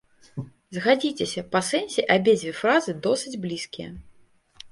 Згадзіцеся, па сэнсе абедзве фразы досыць блізкія.